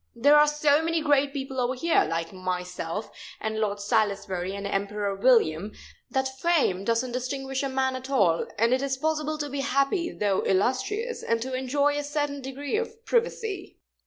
There are so many great people over here, like myself and Lord Salisbury and Emperor William, that fame doesn't distinguish a man at all, and it is possible to be happy though illustrious, and to enjoy a certain degree of privacy."